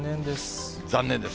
残念です。